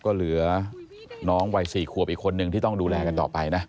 ก็เหลือน้องวัย๔ขวบอีกคนนึงที่ต้องดูแลกันต่อไปนะ